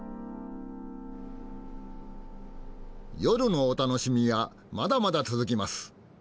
夜のお楽しみはまだまだ続きます。